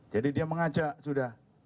jadi dia mengajak sudah